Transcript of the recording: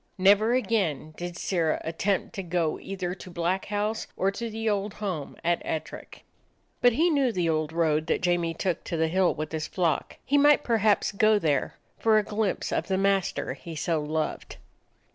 Never again did Sirrah attempt to go either to Black House or to the old home at Ettrick. But he knew the old road that Jamie took to the hill with his flock. He might perhaps go there for a glimpse of the master he so loved.